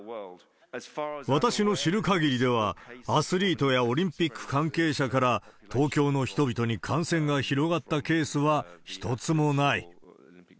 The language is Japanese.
私の知る限りでは、アスリートやオリンピック関係者から、東京の人々に感染が広がったケースは一つもない。